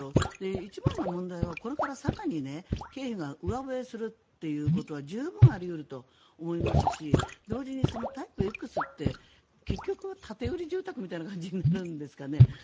一番の問題はこれから更に経費が上振れするということは十分あり得ると思いますし同時にタイプＸって結局、建売住宅みたいな感じになるんですかね。